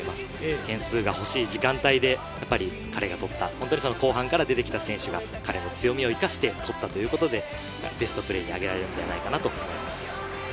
点数が欲しい時間帯で彼が取った後半から出てきた選手が彼の強みを生かして取ったということで、ベストプレーにあげられるんじゃないかなと思います。